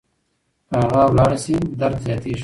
که هغه لاړه شي درد زیاتېږي.